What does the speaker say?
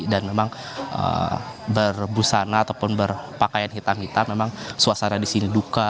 dan memang berbusana ataupun berpakaian hitam hitam memang suasananya di sini luka